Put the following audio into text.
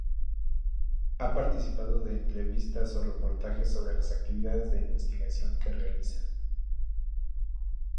Ha participado de entrevistas o reportajes sobre las actividades de investigación que realiza.